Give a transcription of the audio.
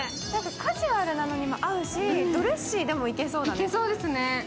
カジュアルなのにも合うしドレッシーでもいけそうだね。